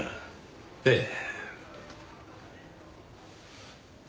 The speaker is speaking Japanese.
ええ。